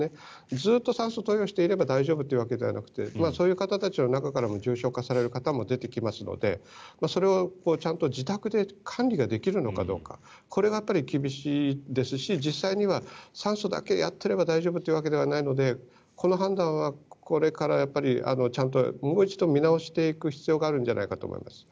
ずっと酸素投与していれば大丈夫というわけではなくてそういう方たちの中からも重症化する方も出てきますのでそれをちゃんと自宅で管理ができるのかどうかこれがやはり厳しいですし実際には酸素だけやっていれば大丈夫というわけではないのでこの判断はこれからちゃんともう一度見直していく必要があるんじゃないかと思います。